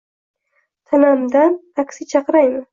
Tanamidan taksi chaqiraymi